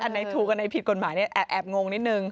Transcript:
อันในถูกอันในผิดกฎหมายแอบงงนิดหนึ่ง